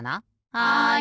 はい。